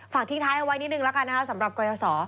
ฝากทิ้งท้ายเอาไว้นิดหนึ่งสำหรับกรยาศร